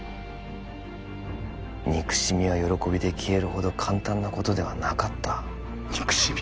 憎しみは喜びで消えるほど簡単なことではなかった憎しみ？